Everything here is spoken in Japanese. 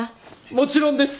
もちろんです！